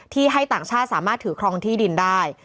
ให้ต่างชาติสามารถถือครองที่ดินได้